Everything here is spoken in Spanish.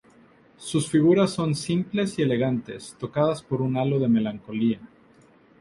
Sus figuras son simples y elegantes, tocadas por un halo de melancolía.